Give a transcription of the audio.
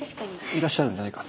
いらっしゃるんじゃないか。